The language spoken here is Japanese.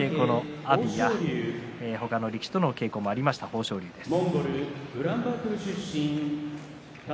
阿炎、その他の力士との稽古もありました、豊昇龍です。